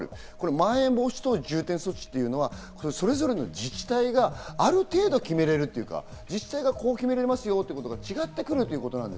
まん延防止等重点措置っていうのは、それぞれの自治体がある程度、決められるというか、自治体がこう決められますよということで違ってくる。